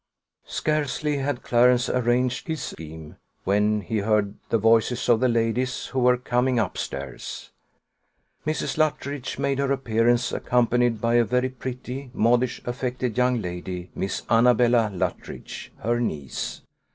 Scarcely had Clarence arranged his scheme, when he heard the voices of the ladies, who were coming up stairs. Mrs. Luttridge made her appearance, accompanied by a very pretty, modish, affected young lady, Miss Annabella Luttridge, her niece.